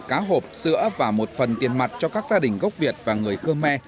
cá hộp sữa và một phần tiền mặt cho các gia đình gốc việt và người khơ me